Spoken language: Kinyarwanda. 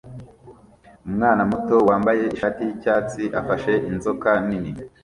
Umwana muto wambaye ishati yicyatsi afashe inzoka nini